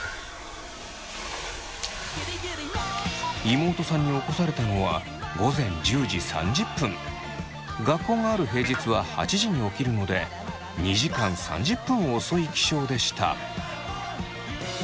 妹さんに起こされたのは学校がある平日は８時に起きるので２時間３０分遅い起床でした。